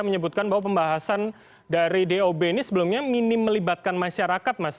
menyebutkan bahwa pembahasan dari dob ini sebelumnya minim melibatkan masyarakat mas